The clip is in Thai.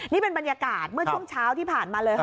นี่เป็นบรรยากาศเมื่อช่วงเช้าที่ผ่านมาเลยค่ะ